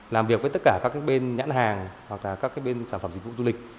làm việc với tất cả các bên nhãn hàng hoặc là các bên sản phẩm dịch vụ du lịch